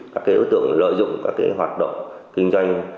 các đối tượng lợi dụng các hoạt động kinh doanh